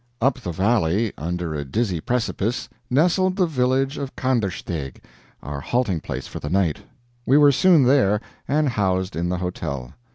Up the valley, under a dizzy precipice, nestled the village of Kandersteg, our halting place for the night. We were soon there, and housed in the hotel.